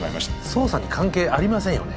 捜査に関係ありませんよね？